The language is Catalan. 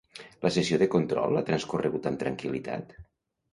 La sessió de control ha transcorregut amb tranquil·litat?